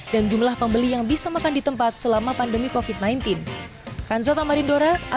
dan jumlah pembeli yang bisa makan di tempat selama pandemi covid sembilan belas